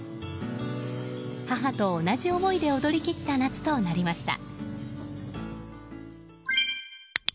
母と同じ思いで踊り切った夏となりました。